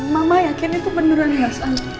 mama yakin itu beneran al